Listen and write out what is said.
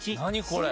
これ。